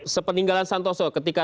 sepeninggalan santoso ketika